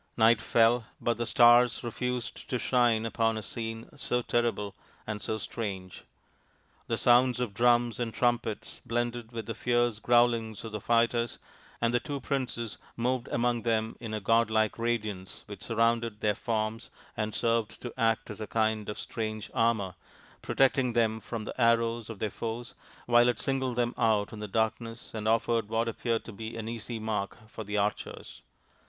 Night fell, but the stars refused to shine upon a scene so terrible and 30 strange. The sounds of drums and trumpets blended with the fierce growlings of the fighters, and the two princes moved among them in a godlike radiance which surrounded their forms and served to act as a kind of strange armour, protecting them from the arrows of their foes while it singled them out in the darkness and offered what appeared to be an easy mark for the archers.